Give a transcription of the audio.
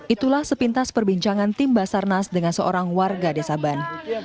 itulah sepintas perbincangan tim basarnas dengan seorang warga desa ban